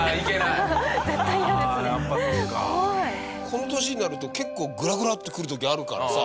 この年になると結構グラグラっとくる時あるからさ。